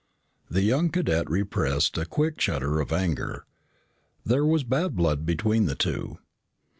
The young cadet repressed a quick shudder of anger. There was bad blood between the two.